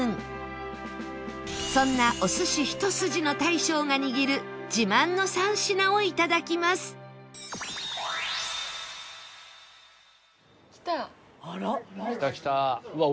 そんなお寿司一筋の大将が握る自慢の３品をいただきます来た！来た来た！でかっ！